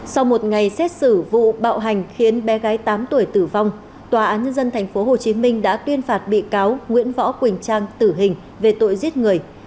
sau một ngày xét xử vụ bạo hành khiến bé gái tám tuổi tử vong tòa án nhân dân tp hcm đã tuyên phạt bị cáo nguyễn võ quỳnh trang tử hình về tội giết người